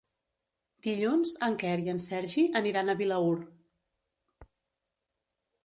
Dilluns en Quer i en Sergi aniran a Vilaür.